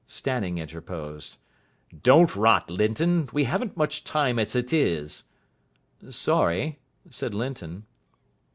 Stanning interposed. "Don't rot, Linton. We haven't much time as it is." "Sorry," said Linton.